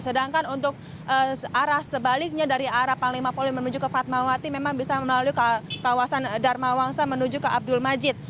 sedangkan untuk arah sebaliknya dari arah panglima poli menuju ke fatmawati memang bisa melalui kawasan dharma wangsa menuju ke abdul majid